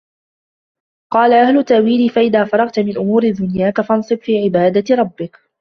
قَالَ أَهْلُ التَّأْوِيلِ فَإِذَا فَرَغْت مِنْ أُمُورِ دُنْيَاك فَانْصَبْ فِي عِبَادَةِ رَبِّك